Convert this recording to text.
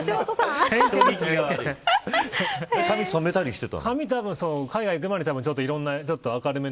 髪、染めたりしてたの。